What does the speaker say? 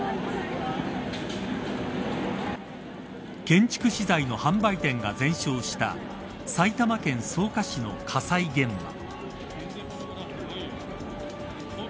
建築資材の販売店が全焼した埼玉県草加市の火災現場。